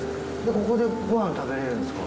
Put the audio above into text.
ここでご飯食べられるんですか？